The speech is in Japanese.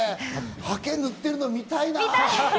ハケ塗っているの見たいな。